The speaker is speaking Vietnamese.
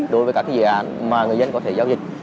đối với các dự án mà người dân có thể giao dịch